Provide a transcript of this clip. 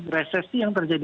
resesi yang terjadi